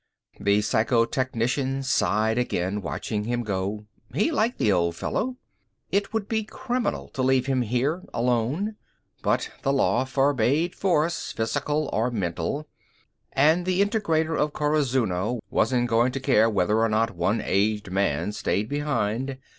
The psychotechnician sighed again, watching him go. He liked the old fellow. It would be criminal to leave him here alone, but the law forbade force physical or mental and the Integrator on Corazuno wasn't going to care whether or not one aged man stayed behind.